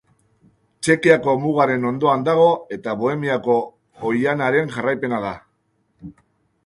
Txekiako mugaren ondoan dago eta Bohemiako oihanaren jarraipena da.